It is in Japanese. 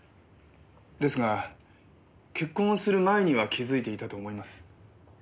ですが結婚をする前には気づいていたと思います。